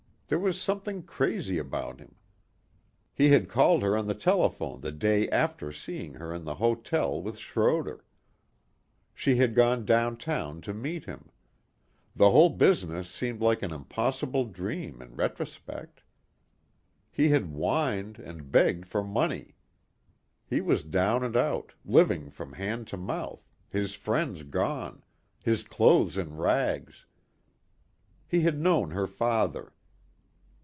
There was something crazy about him. He had called her on the telephone the day after seeing her in the hotel with Schroder. She had gone downtown to meet him. The whole business seemed like an impossible dream in retrospect. He had whined and begged for money. He was down and out, living from hand to mouth, his friends gone, his clothes in rags. He had known her father.